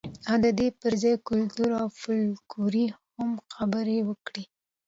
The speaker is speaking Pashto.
او د دې ځای پر کلتور او فولکلور هم خبرې وکړئ.